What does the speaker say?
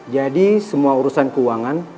jadi semua urusan keuangan